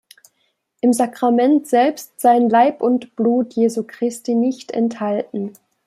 Im Sakrament selbst seien Leib und Blut Jesu Christi nicht enthalten.